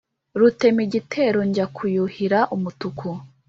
rutemigitero njya kuyuhira umutuku